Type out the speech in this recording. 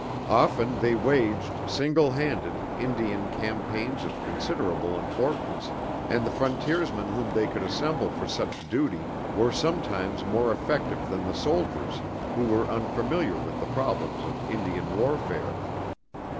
Often they waged, single handed, Indian campaigns of considerable importance, and the frontiersmen whom they could assemble for such duty were sometimes more effective than the soldiers who were unfamiliar with the problems of Indian warfare.